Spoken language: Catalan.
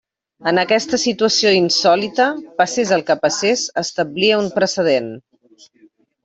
En aquesta situació insòlita, passés el que passés establia un precedent.